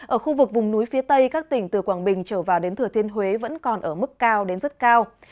ở khu vực vùng núi phía tây các tỉnh từ quảng bình trở vào đến thừa thiên huế vẫn còn ở mức cao đến rất cao